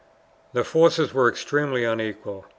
The forces were extremely unequal.